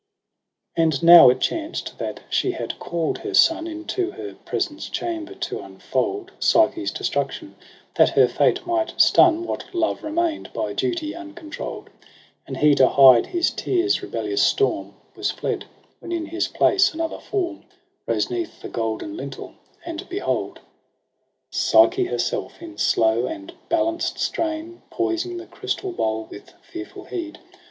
JANUARY i<?y 3 And now it chanced that she had called her son Into her presence chamber, to unfold Psyche's destruction, that her fate might stun What love remained by duty uncontrol'd ; And he to hide his tears' rebellious storm Was fled j when in his place another form Rose 'neath the golden lintel j and behold Psyche herself, in slow and balanced strain. Poising the crystal bowl with fearful heed.